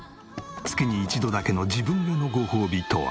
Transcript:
月に１度だけの自分へのごほうびとは？